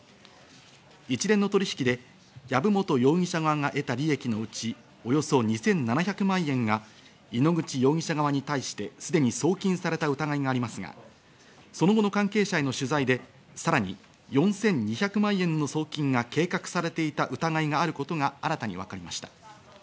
一連の取引で藪本容疑者側が得た利益のうち、およそ２７００万円が井ノ口容疑者側に対してすでに送金された疑いがありますが、その後の関係者への取材でさらに４２００万円の送金が計画されていた疑いがあることが新たに分かりました。